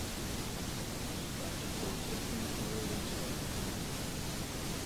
Strange forced him to release her.